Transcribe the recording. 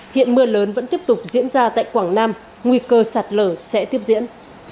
hiện mưa lớn vẫn tiếp tục diễn ra tại quảng nam nguy cơ sạt lở sẽ tiếp diễn